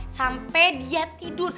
sampai dia tidur